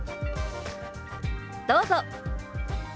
どうぞ。